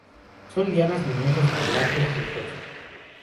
Son lianas leñosas, con látex lechoso.